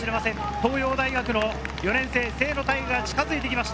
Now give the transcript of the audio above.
東洋大学４年生・清野太雅が近づいてきました。